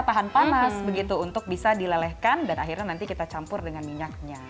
tahan panas begitu untuk bisa dilelehkan dan akhirnya nanti kita campur dengan minyaknya